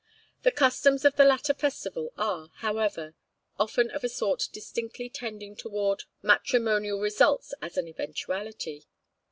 The customs of the latter festival are, however, often of a sort distinctly tending toward matrimonial results as an eventuality.